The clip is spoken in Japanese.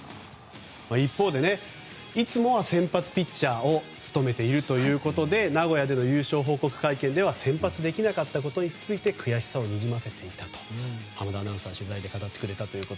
一方でいつもは先発ピッチャーを務めているので名古屋での優勝報告会見では先発できなかったことについて悔しさをにじませていたと濱田アナウンサーの取材で語ってくれたと。